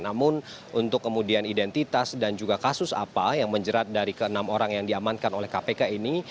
namun untuk kemudian identitas dan juga kasus apa yang menjerat dari ke enam orang yang diamankan oleh kpk ini